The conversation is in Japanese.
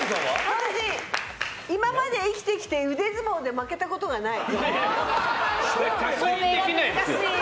私、今まで生きてきて腕相撲で負けたことがない。